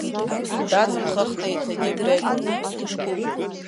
Даҵамхахт еиҭагьы Бегәа.